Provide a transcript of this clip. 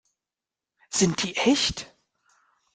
Sind die echt?